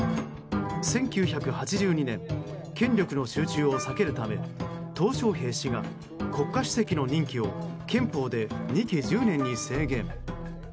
１９８２年権力の集中を避けるためトウ・ショウヘイ氏が国家主席の任期を憲法で、２期１０年に制限。